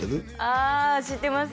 ああ知ってます